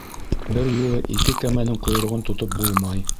Бер юлы ике кәмәнең ҡойроғон тотоп булмай.